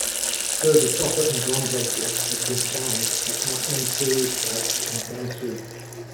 Further copper and bronze objects have been found at Machang-period sites in Gansu.